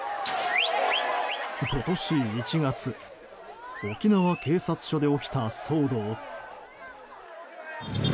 今年１月沖縄警察署で起きた騒動。